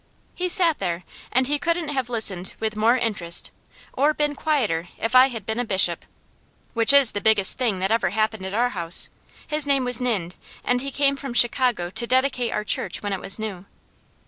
He sat there and he couldn't have listened with more interest or been quieter if I had been a bishop, which is the biggest thing that ever happened at our house; his name was Ninde and he came from Chicago to dedicate our church when it was new.